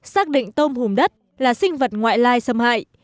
xác định tôm hùm đất là sinh vật ngoại lai xâm hại